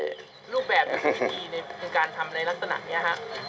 รูปแบบในการทำในลักษณะนี้ฮะ